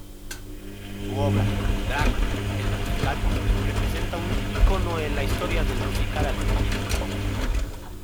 Su obra "Drácula, el musical" representa un ícono en la historia del musical argentino.